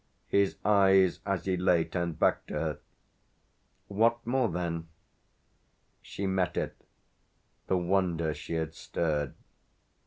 His eyes, as he lay, turned back to her. "What more then?" She met it, the wonder she had stirred.